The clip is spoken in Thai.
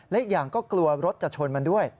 และอีกอย่างก็กลัวรถจะชนมันด้วย